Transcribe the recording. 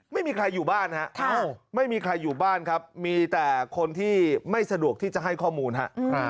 ไม่มีใครอยู่บ้านฮะไม่มีใครอยู่บ้านครับมีแต่คนที่ไม่สะดวกที่จะให้ข้อมูลฮะ